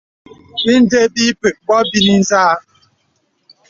Indē bə̀ ǐ pə̀k bɔ bɔbini zâ.